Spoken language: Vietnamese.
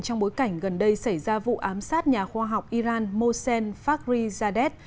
trong bối cảnh gần đây xảy ra vụ ám sát nhà khoa học iran mohsen farizadeh